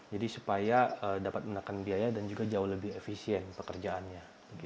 jadi supaya dapat menekan biaya dan juga jauh lebih efisien pekerjaannya